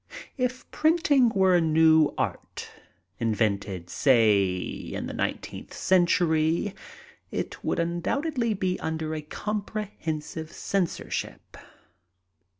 If printing were a new art — ^invented, say, in the nineteenth cen tury — it would undoubtedly be under a comprehensive censorship.